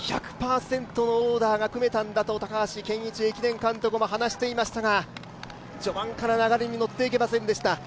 １００％のオーダーが組めたんだと高橋健一駅伝監督も話していましたが、序盤から流れに乗っていけませんでした。